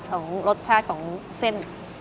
ของรสชาติของเส้น